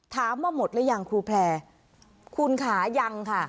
ถามว่าหมดหรือยังครูแพร่คุณขายังค่ะ